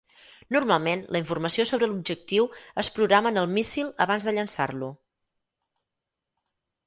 Normalment, la informació sobre l'objectiu es programa en el míssil abans de llançar-lo.